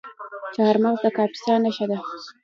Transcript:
چهارمغز د کاپیسا نښه ده.